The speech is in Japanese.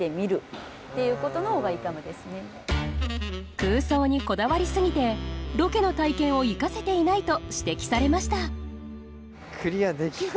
空想にこだわりすぎてロケの体験を生かせていないと指摘されました